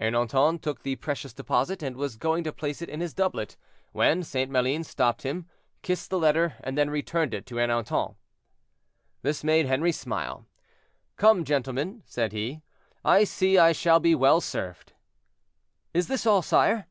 Ernanton took the precious deposit, and was going to place it in his doublet, when St. Maline stopped him, kissed the letter, and then returned it to Ernanton. This made Henri smile. "Come, gentlemen," said he, "I see I shall be well served."—"Is this all, sire?"